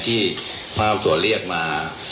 ที่พระอำสวนธ์เรียกมา